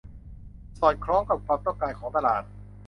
สอดคล้องกับความต้องการของตลาด